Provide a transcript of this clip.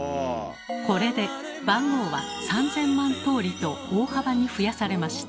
これで番号は３，０００万通りと大幅に増やされました。